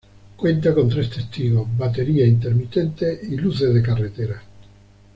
Cuenta con tres testigos: batería, intermitentes y luces de carretera.